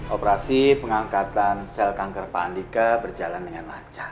operasi pengangkatan sel kanker pandika berjalan dengan lancar